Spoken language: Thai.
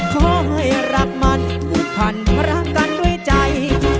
ขอให้รักมันผูกพันรักกันด้วยใจ